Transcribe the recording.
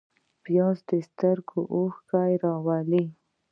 پیاز د سترګو اوښکې راوړي